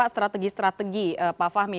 strategi strategi pak fahmi